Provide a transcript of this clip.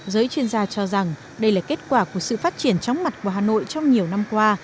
giới chuyên gia cho rằng đây là kết quả của sự phát triển chóng mặt của hà nội trong nhiều năm qua